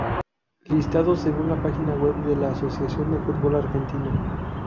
Listados según la página web de la Asociación del Fútbol Argentino.